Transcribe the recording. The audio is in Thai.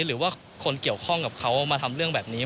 หรือว่าคนเกี่ยวข้องกับเขามาทำเรื่องแบบนี้